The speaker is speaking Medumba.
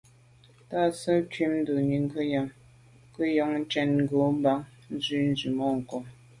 Tà nse’ nkum ndonni, ngùnyàm ke’ yon njen ngo’ bàn nzwi tswemanko’.